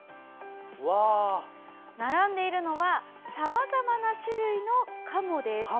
並んでいるのはさまざまな種類のカモです。